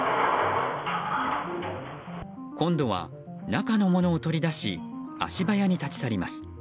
今度は中の物を取り出し足早に立ち去ります。